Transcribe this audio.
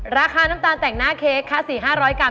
ราคาน้ำตาลแต่งหน้าเค้กค่ะ๔๕๐๐กรั